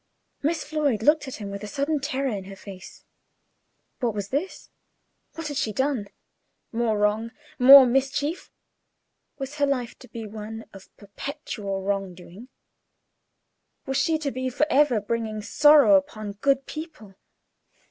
Miss Floyd looked at him with a sudden terror in her face. What was this? What had she done? More wrong, more mischief! Was her life to be one of perpetual wrong doing? Was she to be for ever bringing sorrow upon good people?